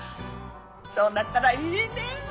そうなったらいいねぇ。